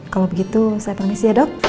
kalau begitu saya permisi ya dok